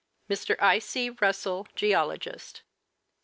Mr. I. C. Russell, Geologist.